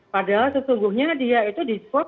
padahal sesungguhnya dia itu di sport